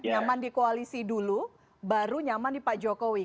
nyaman di koalisi dulu baru nyaman nih pak jokowi